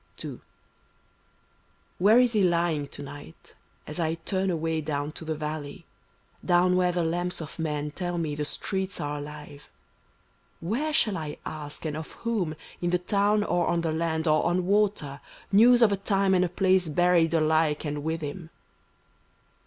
161| II Where is he lying to night, as I turn away down to the valley, Down where the lamps of men tell me the streets are alive ? Where shall I ask, and of whom, in the town or on land or on water, News of a time and a place buried alike and with him